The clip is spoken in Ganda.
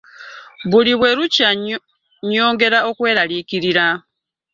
Buli bwelukya nyongera okweralikirira.